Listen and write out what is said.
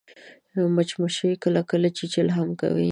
مچمچۍ کله کله چیچل هم کوي